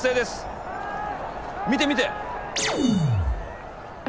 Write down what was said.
見て見て！